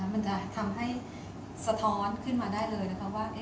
มันจะทำให้สะท้อนขึ้นมาได้เลยนะคะว่า